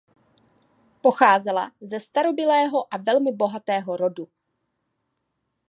Pocházela ze starobylého a velmi bohatého rodu.